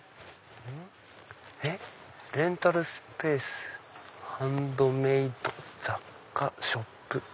「レンタルスペース」「ハンドメイド雑貨ショップ」。